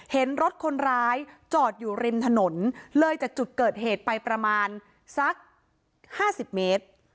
เห็นรถคนร้ายจอดอยู่ริมถนนเลยจากจุดเกิดเหตุไปประมาณสัก๕๐เมตร